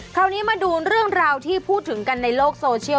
คราวนี้มาดูเรื่องราวที่พูดถึงกันในโลกโซเชียล